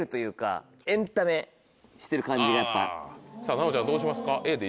奈央ちゃんどうしますかＡで？